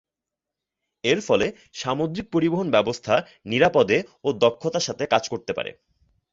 এর ফলে সামুদ্রিক পরিবহন ব্যবস্থা নিরাপদে ও দক্ষতার সাথে কাজ করতে পারে।